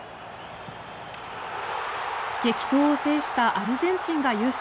激闘を制したアルゼンチンが優勝。